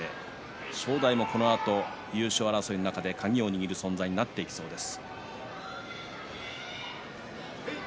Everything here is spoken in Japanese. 正代もこのあと優勝争いの中で鍵を握る存在になっていきそうです。